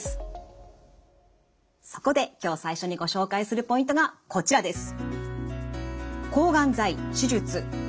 そこで今日最初にご紹介するポイントがこちらです。